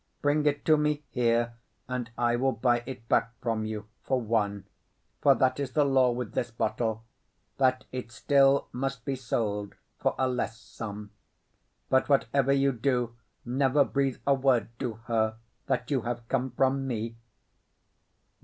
Bring it to me here, and I will buy it back from you for one; for that is the law with this bottle, that it still must be sold for a less sum. But whatever you do, never breathe a word to her that you have come from me."